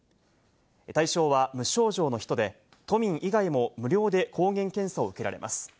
対象は無症状の人で、都民以外も無料で抗原検査を受けられます。